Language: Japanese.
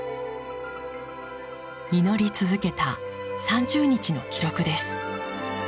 祈り続けた３０日の記録です。